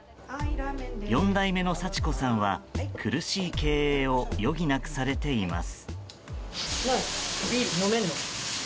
４代目の幸子さんは苦しい経営を余儀なくされています。